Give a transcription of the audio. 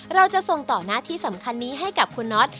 เราจะส่งต่อหน้าที่สำคัญนี้ให้กับคุณน็อต